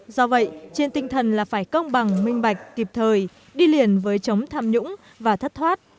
do vậy trên tinh thần là phải công bằng minh bạch kịp thời đi liền với chống tham nhũng và thất thoát